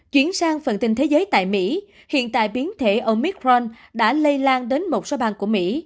chuyển sang phần tin thế giới tại mỹ hiện tại biến thể ở micron đã lây lan đến một số bang của mỹ